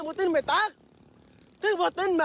พ่อให้ออกออกไม่ออกอ่ะ